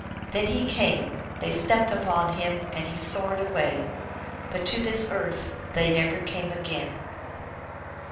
Then he came ; they stepped upon him, and he soared away. But to this earth they never came again.